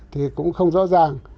thì cũng không rõ ràng